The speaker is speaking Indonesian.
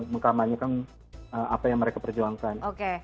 mengkamanyakan apa yang mereka perjuangkan